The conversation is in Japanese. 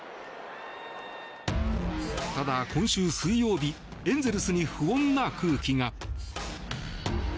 ただ、今週水曜日エンゼルスに不穏な空気が。